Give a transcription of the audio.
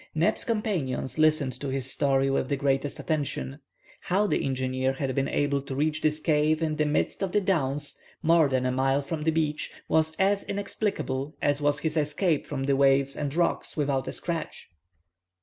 Neb's companions listened to his story with the greatest attention. How the engineer had been able to reach this cave in the midst of the downs, more than a mile from the beach, was as inexplicable as was his escape from the waves and rocks without a scratch.